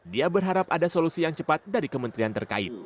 dia berharap ada solusi yang cepat dari kementerian terkait